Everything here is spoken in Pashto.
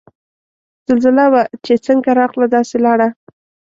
زلزله وه چه څنګ راغله داسے لاړه